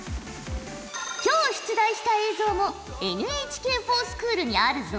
今日出題した映像もＮＨＫｆｏｒＳｃｈｏｏｌにあるぞ。